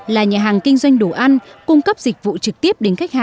là nhà hàng kinh doanh đồ ăn cung cấp dịch vụ trực tiếp